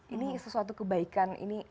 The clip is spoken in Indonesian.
ini sesuatu kebaikan